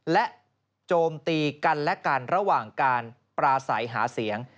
และโจมตีกันและกันระหว่างการปราศัยหาเสียง